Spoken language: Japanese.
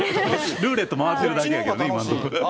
ルーレット回ってるだけなのにね。